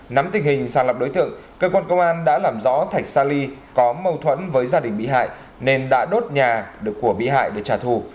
nắm tình hình sàng lập đối tượng cơ quan công an đã làm rõ thạch sa ly có mâu thuẫn với gia đình bị hại nên đã đốt nhà của bị hại được trả thù